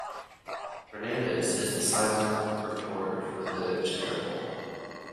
Fernandez is the sideline reporter for the Gender Bowl.